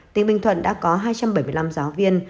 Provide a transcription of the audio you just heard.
tỉnh bình thuận đã có hai trăm bảy mươi năm giáo viên